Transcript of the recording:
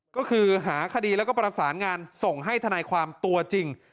ก็คือหาคดีแล้วก็ประสานงานส่งให้ทนายความตัวจริง